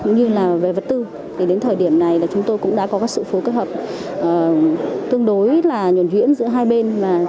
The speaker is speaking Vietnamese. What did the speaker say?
như là về vật tư đến thời điểm này chúng tôi cũng đã có sự phối kết hợp tương đối nhuẩn duyễn giữa hai bên